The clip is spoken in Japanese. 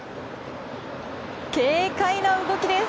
軽快な動きです！